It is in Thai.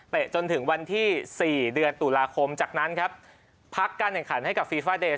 จนถึงวันที่๔เดือนตุลาคมจากนั้นครับพักการแข่งขันให้กับฟีฟาเดย